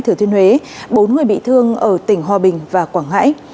thứ thuyên huế bốn người bị thương ở tỉnh hòa bình và quảng ngãi